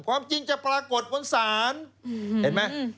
ความจริงจะปรากฏบนศาลเห็นไหม